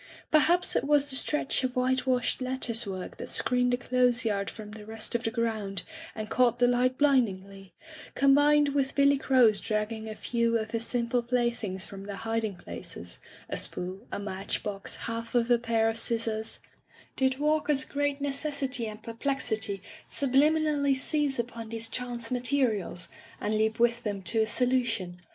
Perhaps it was the stretch of whitewashed lattice work that screened the clothes yard from the rest of the grounds and caught the light blindingly, combined with Billy Crow's dragging a few of his simple playdiings from their hiding Digitized by LjOOQ IC By the Sawyer Method places — a spool, a match box, half of a pair of scissors — Did Walker's great necessity and perplexity subliminally seize upon these chance materials, and leap with diem to a solution